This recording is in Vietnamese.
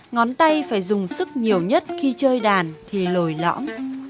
ngón tay phải dùng sức nhiều nhất khi chơi đàn thì lồi lõm